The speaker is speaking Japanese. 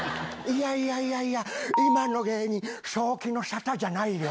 いやいやいやいや、今の芸人、正気の沙汰じゃないよ。